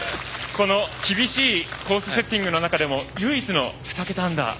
この厳しいコースセッティングの中でも唯一の２桁アンダー。